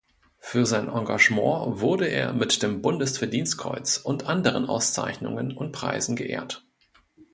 Für sein Engagement wurde er mit dem Bundesverdienstkreuz und anderen Auszeichnungen und Preisen geehrt.